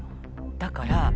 だから。